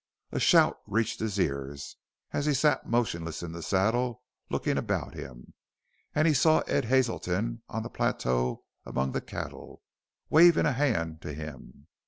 A shout reached his ears as he sat motionless in the saddle looking about him, and he saw Ed Hazelton on the plateau among the cattle, waving a hand to him.